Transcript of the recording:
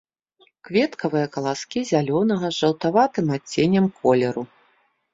Кветкавыя каласкі зялёнага з жаўтаватым адценнем колеру.